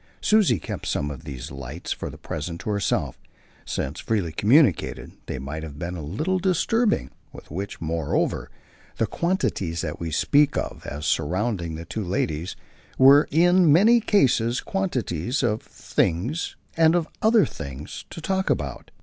Susie kept some of these lights for the present to herself, since, freely communicated, they might have been a little disturbing; with which, moreover, the quantities that we speak of as surrounding the two ladies were in many cases quantities of things and of other things to talk about.